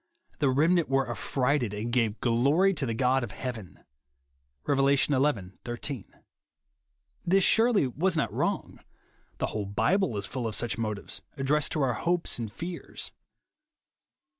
" The remnant were affrighted, and gave glory to the God of heaven," (Rev. xi. IS). This surely vvas not wrong. The whole Bible is full of such motives, addressed to our hopes and fears.